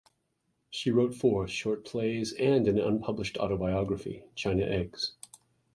She wrote four short plays and an unpublished autobiography, China Eggs.